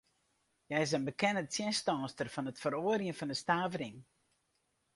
Hja is in bekende tsjinstanster fan it feroarjen fan de stavering.